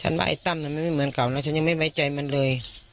ว่าไอ้ตั้มนั้นมันไม่เหมือนเก่านะฉันยังไม่ไว้ใจมันเลย